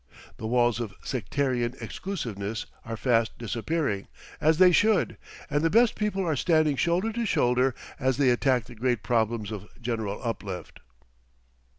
The walls of sectarian exclusiveness are fast disappearing, as they should, and the best people are standing shoulder to shoulder as they attack the great problems of general uplift.